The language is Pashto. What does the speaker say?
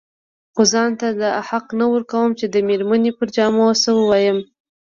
خو ځان ته دا حق نه ورکوم چې د مېرمنې پر جامو څه ووايم.